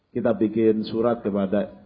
kita bikin surat kepada